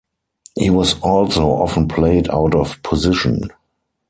He was also often played out of position.